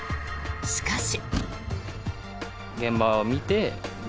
しかし。